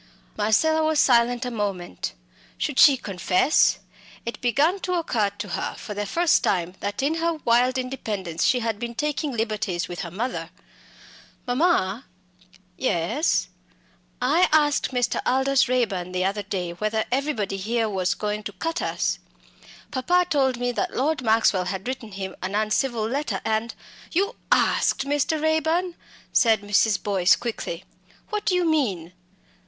Marcella was silent a moment. Should she confess? It began to occur to her for the first time that in her wild independence she had been taking liberties with her mother. "Mamma!" "Yes." "I asked Mr. Aldous Raeburn the other day whether everybody here was going to cut us! Papa told me that Lord Maxwell had written him an uncivil letter and " "You asked Mr. Raeburn " said Mrs. Boyce, quickly. "What do you mean?"